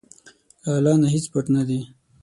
له الله نه هیڅ پټ نه دي.